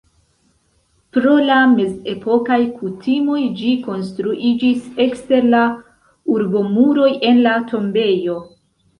Pro la mezepokaj kutimoj ĝi konstruiĝis ekster la urbomuroj en la tombejo.